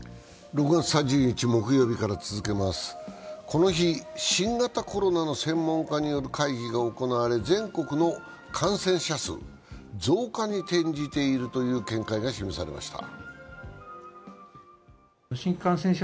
この日、新型コロナの専門家による会議が行われ全国の感染者数、増加に転じているという見解が示されました。